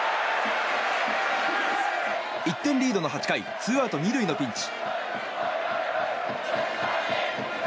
１点リードの８回ツーアウト２塁のピンチ。